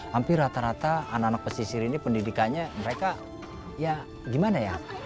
hampir rata rata anak anak pesisir ini pendidikannya mereka ya gimana ya